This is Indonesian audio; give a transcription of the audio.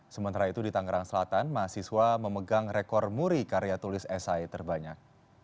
sementara itu di tangerang selatan mahasiswa memegang rekor muri karya tulis esai terbanyak